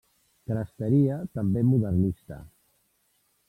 Cresteria també modernista.